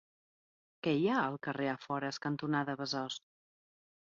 Què hi ha al carrer Afores cantonada Besòs?